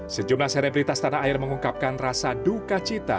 sejumlah selebritas tanah air mengungkapkan rasa duka cita